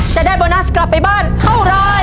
จะได้โบนัสกลับไปบ้านเท่าไร